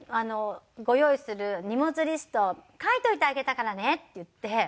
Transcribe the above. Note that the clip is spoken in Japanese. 「ご用意する荷物リスト書いといてあげたからね」って言って。